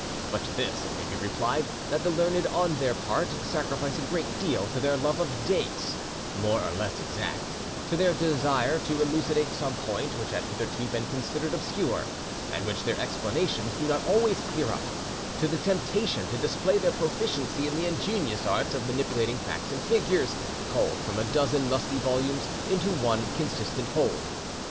But to this it may be replied that the learned on their part sacrifice a great deal to their love of dates, more or less exact; to their desire to elucidate some point which had hitherto been considered obscure, and which their explanations do not always clear up; to the temptation to display their proficiency in the ingenious art of manipulating facts and figures culled from a dozen musty volumes into one consistent whole.